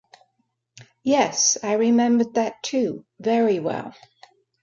Yes, I remembered that too, very well.